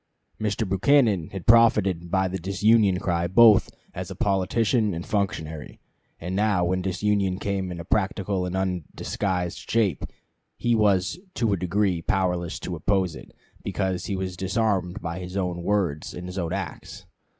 Mr. Buchanan had profited by the disunion cry both as politician and functionary; and now when disunion came in a practical and undisguised shape he was to a degree powerless to oppose it, because he was disarmed by his own words and his own acts.